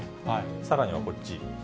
さらにはこっち。